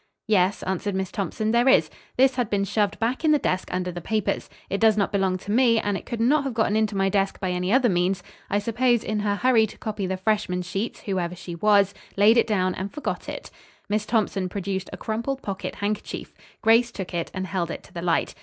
"Yes," answered Miss Thompson, "there is. This had been shoved back in the desk under the papers. It does not belong to me, and it could not have gotten into my desk by any other means. I suppose, in her hurry to copy the freshmen sheets, whoever she was, laid it down and forgot it." Miss Thompson produced a crumpled pocket handkerchief. Grace took it and held it to the light.